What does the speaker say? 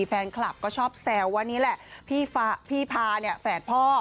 แฟนคลับก็ชอบแซวว่านี่แหละพี่พาเนี่ยแฝดพ่อ